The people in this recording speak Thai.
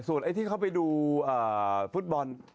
ส่วนไอ้ที่เข้าไปดูฟุตบอล